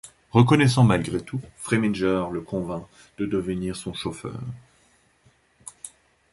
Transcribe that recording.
Reconnaissant malgré tout, Freminger le convainc de devenir son chauffeur.